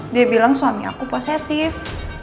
dia bilang suami aku posesif